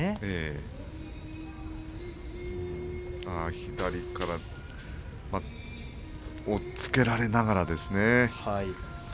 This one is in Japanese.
左から押っつけられながらですね。